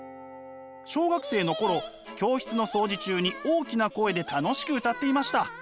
小学生の頃教室の掃除中に大きな声で楽しく歌っていました。